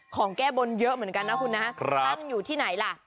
ของแก้บนเยอะเหมือนกันนะคุณนะตั้งอยู่ที่ไหนล่ะ